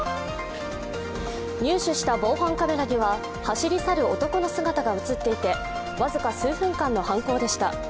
入手した防犯カメラには走り去る男の姿が映っていて僅か数分間の犯行でした。